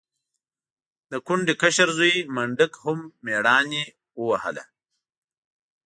د کونډې کشر زوی منډک هم مېړانې ووهله.